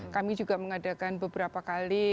kami juga mengadakan beberapa kali